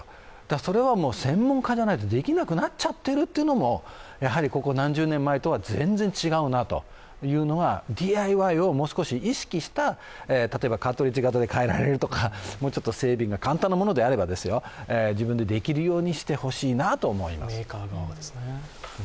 それは専門家ではないとできなくなっちゃっているというのもここ何十年前とは全然違うなというのは、ＤＩＹをもう少し意識した、カートリッジを変えられるとかもうちょっと整備が簡単なものであれば自分でできるようにしてほしいなと思います。